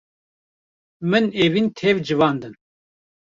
Min evîn tev civandin.